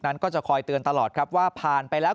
นั้นก็จะคอยเตือนตลอดครับว่าผ่านไปแล้ว